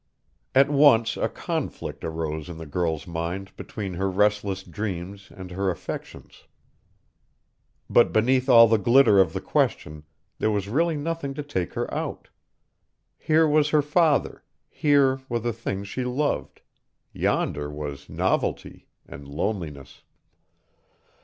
At once a conflict arose in the girl's mind between her restless dreams and her affections. But beneath all the glitter of the question there was really nothing to take her out. Here was her father, here were the things she loved; yonder was novelty and loneliness.